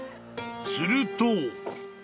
［すると］